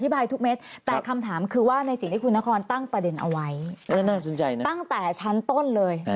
ทุกเม็ดแต่คำถามคือว่าในสิ่งที่คุณนครตั้งประเด็นเอาไว้ตั้งแต่ชั้นต้นเลย